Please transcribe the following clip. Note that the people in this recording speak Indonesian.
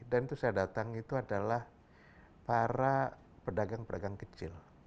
dan itu saya datang itu adalah para pedagang pedagang kecil